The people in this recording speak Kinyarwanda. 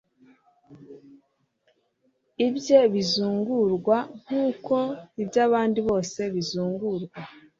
ibye bizungurwa nk'uko ibyabandi bose bizungurwa